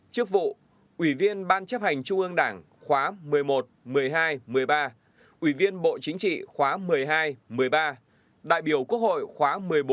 trước vụ ủy viên ban chấp hành trung ương đảng khóa một mươi một một mươi hai một mươi ba ủy viên bộ chính trị khóa một mươi hai một mươi ba đại biểu quốc hội khóa một mươi bốn